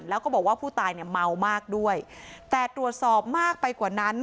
แล้วก็บอกว่าผู้ตายเนี่ยเมามากด้วยแต่ตรวจสอบมากไปกว่านั้น